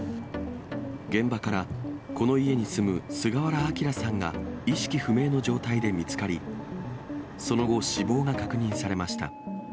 現場から、この家に住む菅原啓さんが意識不明の状態で見つかり、その後、死亡が確認されました。